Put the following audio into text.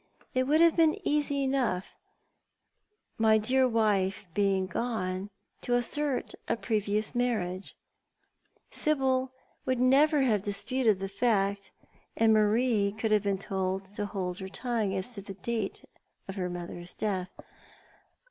It would have been easy enough, my dear wife being gone, to assert a previous marriage. Sibyl would never i8o TJi02t, art the Man. have dispulcd the fact ; .and ^laric could have been told to hold her tongue as to the date of her mother's death.